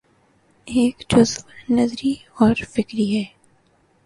ایک جزو نظری اور فکری ہے۔